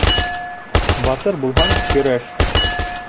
Батыр булһаң, көрәш.